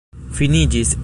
finiĝis